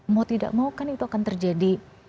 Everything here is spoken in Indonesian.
mau tidak mau kan itu akan terjadi